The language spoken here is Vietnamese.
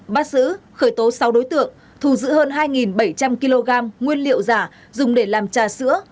bắt giữ khởi tố sáu đối tượng thù giữ hơn hai bảy trăm linh kg nguyên liệu giả dùng để làm trà sữa